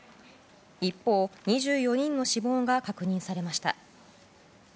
一方、２４人の死亡が確認されました。